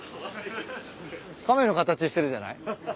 亀の形してるじゃない？